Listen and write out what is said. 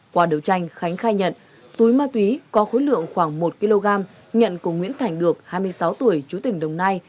qua đấu tranh khánh khai nhận túi ma túy có khối lượng khoảng một kg nhận của nguyễn thành được hai mươi sáu tuổi chú tỉnh đồng nai